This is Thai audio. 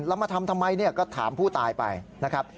แล้วมาทำทำไมก็ถามผู้ตายไปนะครับ